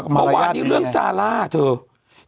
เมื่อวานนี้เรื่องซาร่าเถอะ